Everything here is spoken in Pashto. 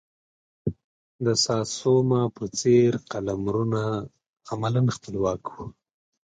د ساتسوما په څېر قلمرونه عملا خپلواک وو.